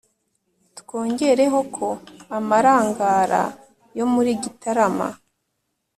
twongereho ko amarangara yo muri gitarama